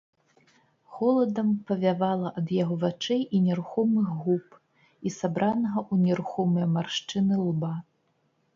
Холадам павявала ад яго вачэй і нерухомых губ і сабранага ў нерухомыя маршчыны лба.